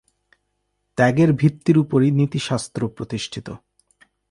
ত্যাগের ভিত্তির উপরই নীতিশাস্ত্র প্রতিষ্ঠিত।